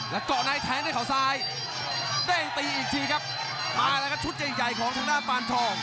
แล้วก็นายแท้งในข่าวซ้ายเต้นตีอีกทีครับมาแล้วก็ชุดใหญ่ใหญ่ของทางหน้าปานทอง